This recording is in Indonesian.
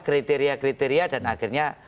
kriteria kriteria dan akhirnya